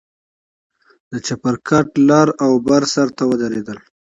د چپرکټ لر او بر سر ته ودرېدل.